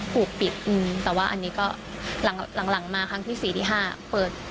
ถูกปิดแต่ว่าอันนี้ก็หลังมาครั้งที่๔ที่๕เปิด